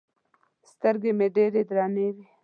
سترګې مې ډېرې درنې وې.